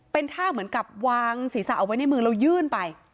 เป็นท่าเหมือนกับวางศีรษะเอาไว้ในมือแล้วยื่นไป